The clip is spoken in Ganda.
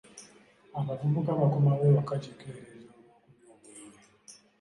Abavubuka bakomawo ewaka kikeerezi olw'okunywa mwenge.